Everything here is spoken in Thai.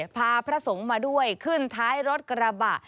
พระสงฆ์มาด้วยขึ้นท้ายรถกระบะ